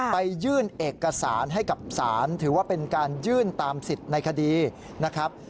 ไปยื่นเอกสารให้กับศาลถือว่าเป็นการยื่นตามสิทธิ์ในคดีนะครับ